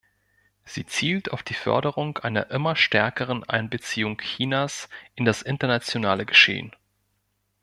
Sie zielt auf die Förderung einer immer stärkeren Einbeziehung Chinas in das internationale Geschehen.